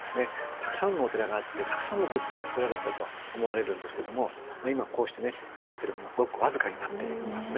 たくさんのお寺があってたくさんの仏像がつくられてたと思われるんですけども今こうしてね残ってるものはごく僅かになっていますね。